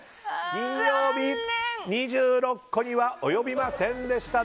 金曜日２６個には及びませんでした。